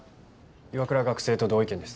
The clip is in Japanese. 岩倉学生と同意見です。